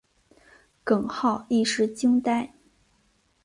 耿浩一时惊呆。